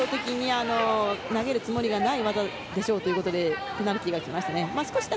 投げるつもりがない技でしょうということでペナルティーがきました。